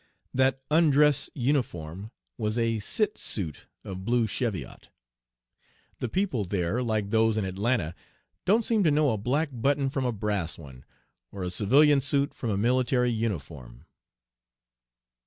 That "undress uniform" was a "cit" suit of blue Cheviot. The people there, like those in Atlanta, don't seem to know a black button from a brass one, or a civilian suit from a military uniform.